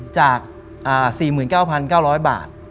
จาก๔๙๙๐๐บาท